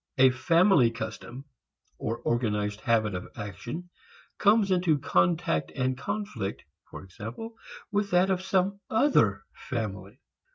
A family custom or organized habit of action comes into contact and conflict for example with that of some other family.